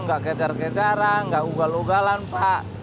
nggak kejar kejaran nggak ugal ugalan pak